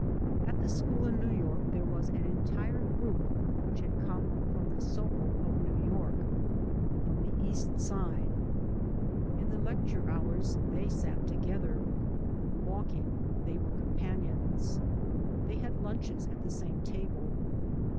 At the school in New York there was an entire group which had come from the Soho of New York — from the East Side. In the 3 by Google MY MOTHER AND I lecture hours they sat together. Walking they were companions. They had lunches at the same table.